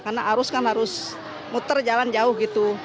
karena arus kan harus muter jalan jauh gitu